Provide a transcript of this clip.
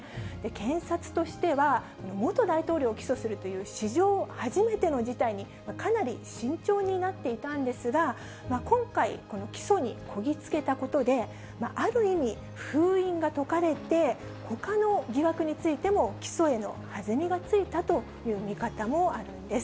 検察としては、元大統領を起訴するという史上初めての事態にかなり慎重になっていたんですが、今回、この起訴にこぎ着けたことで、ある意味、封印が解かれて、ほかの疑惑についても、起訴への弾みがついたという見方もあるんです。